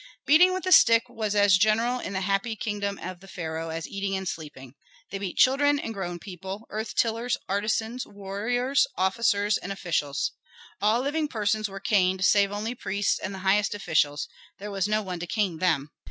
Beating with a stick was as general in the happy kingdom of the pharaoh as eating and sleeping. They beat children and grown people, earth tillers, artisans, warriors, officers, and officials. All living persons were caned save only priests and the highest officials there was no one to cane them.